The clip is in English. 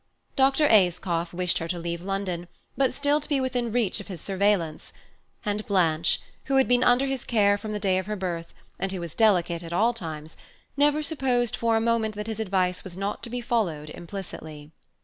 Dr. Ayscough wished her to leave London, but still to be within reach of his surveillance; and Blanche, who had been under his care from the day of her birth, and who was delicate at all times, never supposed for a moment that his advice was not to be followed implicitly.